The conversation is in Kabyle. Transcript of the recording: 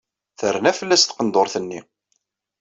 Terna fell-as tqendurt-nni.